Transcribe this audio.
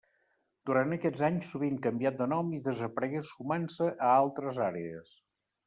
Durant aquests anys sovint canviat de nom i desaparegué sumant-se a altres àrees.